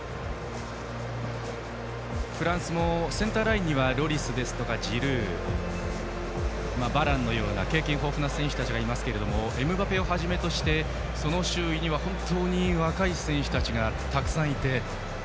フランスもセンターラインにはロリスやジルー、バランのような経験豊富な選手たちがいますがエムバペをはじめとしてその周囲には本当に若い選手たちがたくさんいて。